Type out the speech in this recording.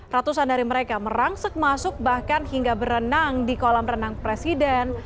ratusan dari mereka merangsek masuk bahkan hingga berenang di kolam renang presiden